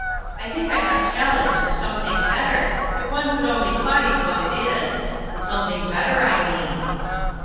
I think I have talents for something better, if one could only find what it is the something better, I mean."